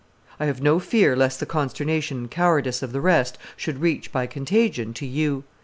I have no fear lest the consternation and cowardice of the rest should reach by contagion to you.